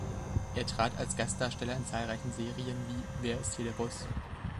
Er trat als Gastdarsteller in zahlreichen Serien wie "Wer ist hier der Boss?